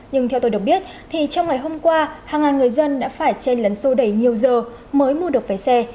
nhưng theo tôi được biết trong ngày hôm qua hàng ngàn người dân đã phải chên lấn xô đầy nhiều giờ mới mua được vé xe